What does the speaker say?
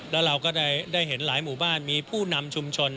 แล้วเราก็ได้เห็นหลายหมู่บ้านมีผู้นำชุมชน